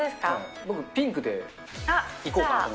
僕、ピンクでいこうかなと思